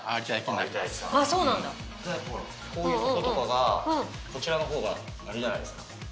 ほらこういうとことかがこちらのほうがあれじゃないですか。